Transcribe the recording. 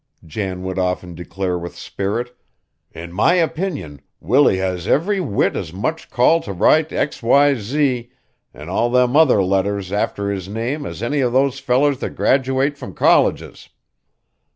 "Why," Jan would often declare with spirit, "in my opinion Willie has every whit as much call to write X, Y, Z, an' all them other letters after his name as any of those fellers that graduate from colleges!